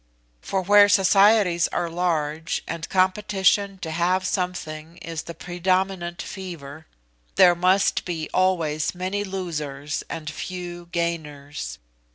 For where societies are large, and competition to have something is the predominant fever, there must be always many losers and few gainers.